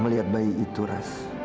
melihat bayi itu ras